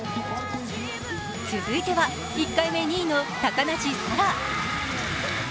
続いては、１回目２位の高梨沙羅。